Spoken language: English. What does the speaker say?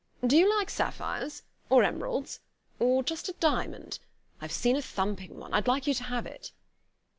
Do you like sapphires, or emeralds? Or just a diamond? I've seen a thumping one.... I'd like you to have it."